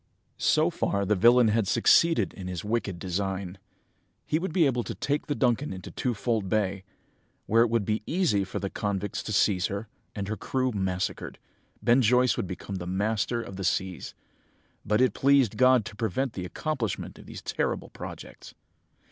"So far the villain had succeeded in his wicked design. He would be able to take the Duncan into Twofold Bay, where it would be easy for the convicts to seize her, and her crew massacred, Ben Joyce would become master of the seas.... But it pleased God to prevent the accomplishment of these terrible projects.